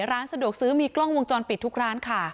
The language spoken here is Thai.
ร้านสะดวกซื้อมีกล้องวงจรปิดทุกร้านค่ะ